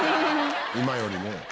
「今よりね」